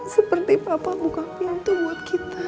seperti papa buka pintu buat kita